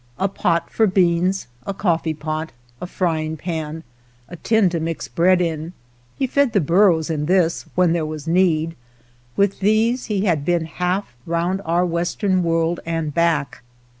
A pot for ■6a THE POCKET HUNTER beans, a coffee pot, a frying pan, a tin to/ mix bread in — he fed the burros in this ^ when there was need — with these he had been half round our western world and back.